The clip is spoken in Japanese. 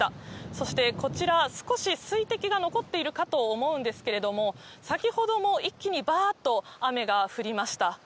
そしてこちら、少し水滴が残っているかと思うんですけれども、先ほども一気にばーっと雨が降りました。